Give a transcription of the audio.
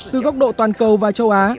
từ góc độ toàn cầu và châu á